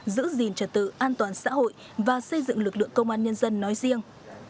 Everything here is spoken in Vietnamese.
giữ gìn trật tự an toàn xã hội và xây dựng lực lượng công an nhân dân nói riêng